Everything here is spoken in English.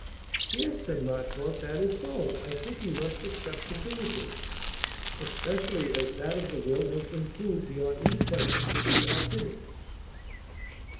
"Yes," said Marchmont; "that is so. I think we must accept the signatures, especially as that of the will has been proved, beyond any question" to be authentic."